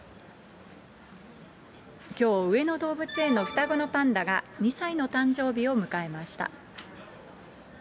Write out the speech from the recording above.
きょう、上野動物園の双子のパンダが２歳の誕生日を迎えました。